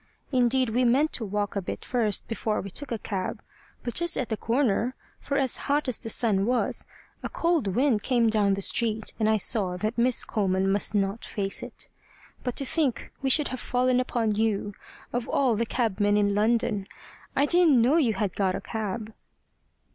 Indeed we meant to walk a bit first before we took a cab, but just at the corner, for as hot as the sun was, a cold wind came down the street, and I saw that Miss Coleman must not face it. But to think we should have fallen upon you, of all the cabmen in London! I didn't know you had got a cab."